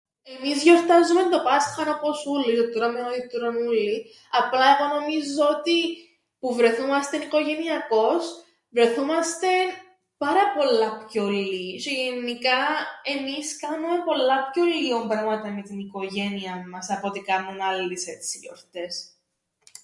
Εμείς γιορτάζουμεν το Πάσχαν όπως ούλλοι, τρώμεν ό,τι τρων ούλλοι, απλά νομίζω ότι που βρεθούμαστεν οικογενειακώς, βρεθούμαστεν πάρα πολλά πιο λλίοι τζ̆αι γεννικά εμείς κάμνουμεν πολλά πιο λλία πράματα με την οικογένειαν μας απ' ό,τι κάμνουν άλλοι σε έτσι γιορτές.